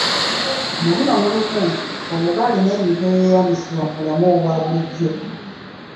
Mu bino mulimu; obugaali n'ebintu ebyeyambisibwa mu bulamu obwabulijjo.